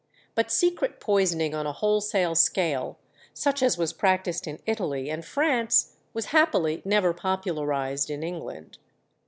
But secret poisoning on a wholesale scale such as was practised in Italy and France was happily never popularized in England.